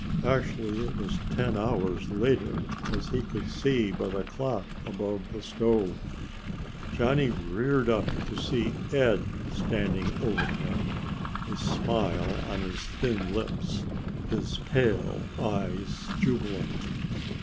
Actually it was ten hours later, as he could see by the clock above the stove. Johnny reared up to see Ed standing over him, a smile on his thin lips, his pale eyes jubilant.